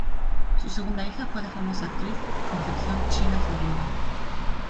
Su segunda hija fue la famosa actriz Concepción "China" Zorrilla.